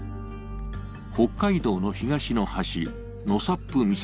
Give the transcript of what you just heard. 北海道の東の端、納沙布岬。